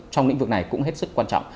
trong lĩnh vực này cũng hết sức quan trọng